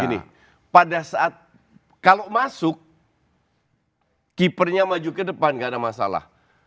gini pada saat kalau masuk keepernya maju ke depan nggak ada masalah